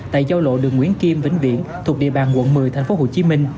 tại giao lộ đường nguyễn kim vĩnh viễn thuộc địa bàn quận một mươi tp hcm